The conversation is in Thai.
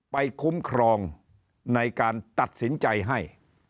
คุ้มครองในการตัดสินใจให้